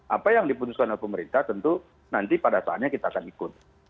apa yang diputuskan oleh pemerintah tentu nanti pada saatnya kita akan ikut